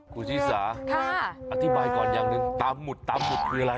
คุณชิสาอธิบายก่อนอย่างหนึ่งตามหมุดตามหุดคืออะไร